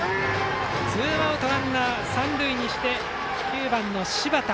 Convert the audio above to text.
ツーアウトランナー、三塁にして９番、柴田。